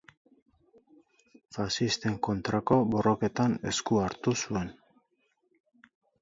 Faxisten kontrako borroketan esku hartu zuen.